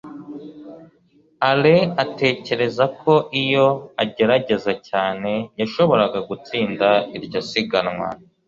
alain atekereza ko iyo agerageza cyane, yashoboraga gutsinda iryo siganwa